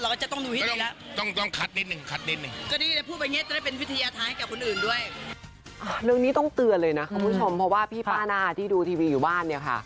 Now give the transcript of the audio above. คุณผู้ชมคุณผู้ชมคุณผู้ชมคุณผู้ชมค